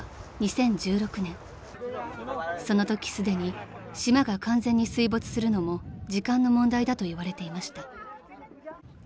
［そのときすでに島が完全に水没するのも時間の問題だといわれていました］